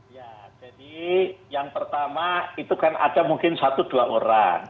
ya jadi yang pertama itu kan ada mungkin satu dua orang